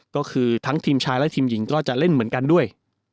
ก็คือทั้งทีมชายและทีมหญิงก็จะเล่นเหมือนกันด้วย